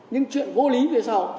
nhưng chuyện vô lý về sau